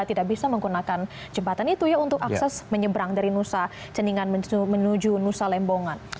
tidak bisa menggunakan jembatan itu ya untuk akses menyeberang dari nusa ceningan menuju nusa lembongan